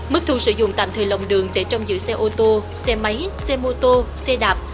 mức thu sử dụng tạm thời lòng đường để trong giữ xe ô tô xe máy xe mô tô xe đạp